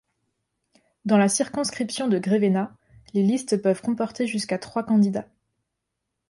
Dans la circonscription de Grévéna, les listes peuvent comporter jusqu'à trois candidats.